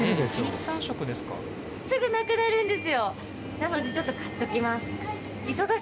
なのでちょっと買っときます。